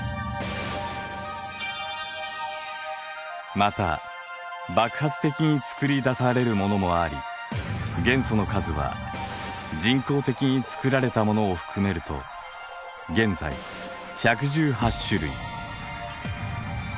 また爆発的に作りだされるものもあり元素の数は人工的に作られたものを含めると現在１１８種類。